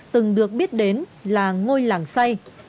từng được biết đến là ngôi làng say